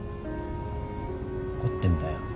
怒ってんだよ